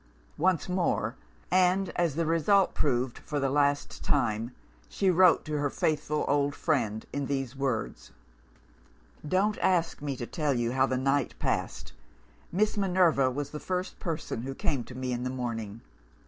Once more and, as the result proved, for the last time she wrote to her faithful old friend in these words: "Don't ask me to tell you how the night passed! Miss Minerva was the first person who came to me in the morning.